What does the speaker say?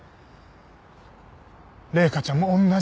麗華ちゃんも同じ。